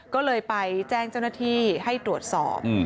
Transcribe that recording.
ก็เลยไปแจ้งเจ้าหน้าที่ให้ตรวจสอบ